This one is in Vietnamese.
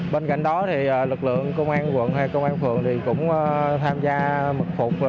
bên cạnh đó thì lực lượng công an quận hay công an phường thì cũng tham gia mật phục